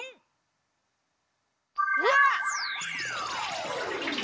うわっ！